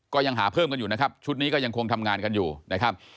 ก็ยังหาเพิ่มกันอยู่นะครับชุดนี้ก็ยังคงทำงานกันอยู่นะครับ